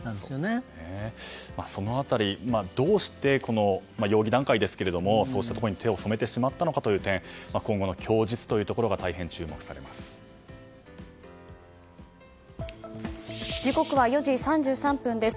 その辺り、どうしてまだ容疑段階ですがそうしたことに手を染めてしまったのかという点今後の供述というところが時刻は４時３３分です。